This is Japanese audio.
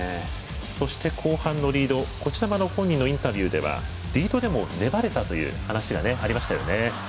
そして、後半のリード本人もインタビューではリードでも粘れたという話がありましたよね。